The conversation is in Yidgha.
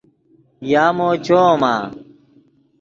یامو چویمآ؟